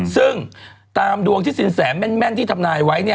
ซึ่งตามดวงที่สินแสแม่นที่ทำนายไว้